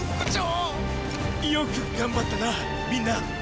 よく頑張ったなみんな。